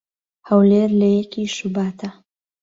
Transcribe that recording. "هەولێر لە یەکی شوباتا"